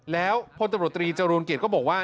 แล้วผู้เต็มประตูตรีเจริญเก็ตก็บอกว่า